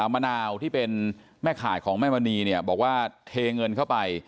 มะนาวที่เป็นแม่ขายของแม่มณีเนี่ยบอกว่าเทเงินเข้าไป